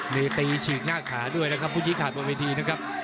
มีตีฉีกหน้าขาด้วยนะครับผู้ชี้ขาดบนเวทีนะครับ